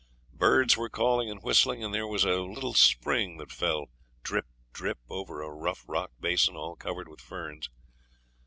Birds were calling and whistling, and there was a little spring that fell drip, drip over a rough rock basin all covered with ferns.